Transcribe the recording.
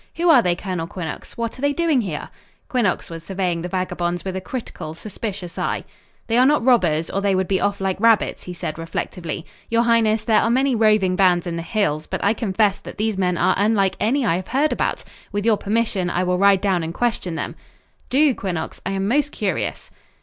"Who are they, Colonel Quinnox? What are they doing here?" Quinnox was surveying the vagabonds with a critical, suspicious eye. "They are not robbers or they would be off like rabbits" he said reflectively. "Your highness, there are many roving bands in the hills, but I confess that these men are unlike any I have heard about. With your permission, I will ride down and question them." "Do, Quinnox. I am most curious."